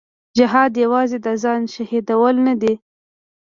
جهاد یوازې د ځان شهیدول نه دي.